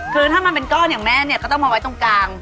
คือถ้ามันเป็นก้อนอย่างแม่เนี่ยก็ต้องมาไว้ตรงกลาง